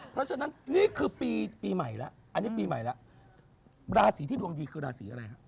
เพราะฉะนั้นนี่คือปีใหม่แล้วอันนี้ปีใหม่แล้วราศีที่ดวงดีคือราศีอะไรฮะ